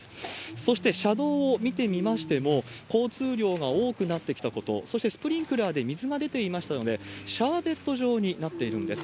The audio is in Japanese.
そして、車道を見てみましても、交通量が多くなってきたこと、そしてスプリンクラーで水が出ていましたので、シャーベット状になっているんです。